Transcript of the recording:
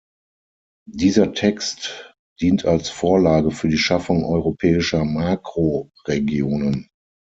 Dieser Text dient als Vorlage für die Schaffung europäischer Makroregionen.